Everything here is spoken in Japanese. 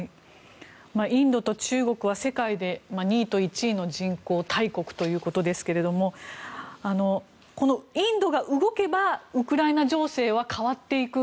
インドと中国は世界で２位と１位の人口大国ということですがこのインドが動けばウクライナ情勢は変わっていく。